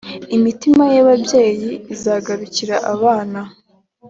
imitima y ababyeyi izagarukira abana